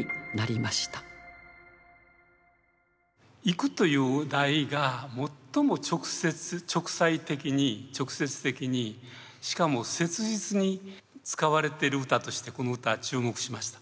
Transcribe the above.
「行」という題が最も直裁的に直接的にしかも切実に使われている歌としてこの歌は注目しました。